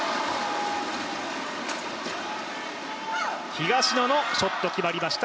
東野のショット決まりました。